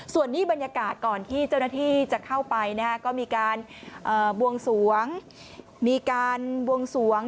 ส่วนนี้บรรยากาศก่อนที่เจ้าหน้าที่จะเข้าไปนะก็มีการบวงสวง